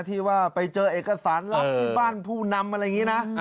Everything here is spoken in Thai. ที่ว่าไปเจอเอกสารลับที่บ้านผู้นำอะไรอย่างนี้นะ